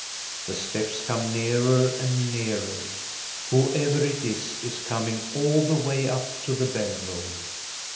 The steps come nearer and nearer. Whoever it is, is coming all the way up to the bell room.